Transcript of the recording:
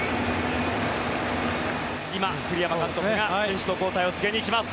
今、栗山監督が選手の交代を告げに行きます。